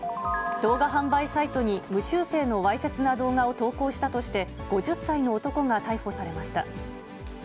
動画販売サイトに無修正のわいせつな動画を投稿したとして、５０歳の男が逮捕されました。